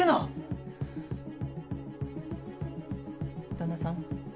旦那さん。